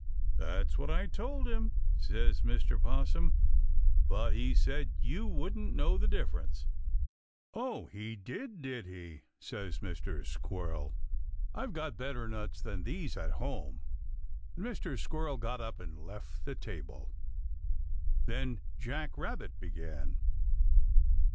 "That's what I told him," says Mr. 'Possum; "but he said you wouldn't know the difference." "Oh, he did, did he?" says Mr. Squirrel. "Well, I've got better nuts than these at home," and Mr. Squirrel he got up and left the table. Then Jack Rabbit began.